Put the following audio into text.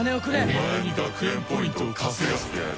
お前に学園ポイントを稼がせてやる。